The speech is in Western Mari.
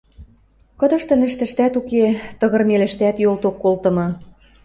Кыдыштын ӹштӹштӓт уке, тыгырмелӹштӓт йолток колтымы.